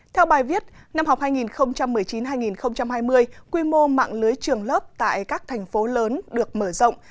theo bài viết năm học hai nghìn một mươi chín hai nghìn hai mươi quy mô mạng lưới trường lớp tại các thành phố lớn được mở rộng